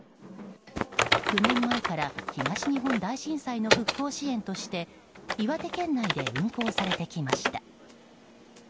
９年前から東日本大震災の復興支援として岩手県内で運行されてきました。